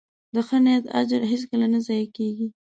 د ښه نیت اجر هیڅکله نه ضایع کېږي.